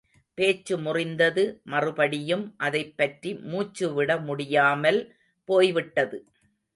பேச்சு முறிந்தது மறுபடியும் அதைப் பற்றி மூச்சு விட முடியாமல் போய் விட்டது.